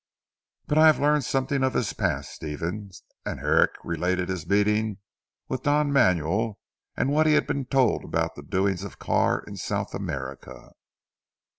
But I have learned something of his past Stephen," and Herrick related his meeting with Don Manuel and what he had been told about the doings of Carr in South America.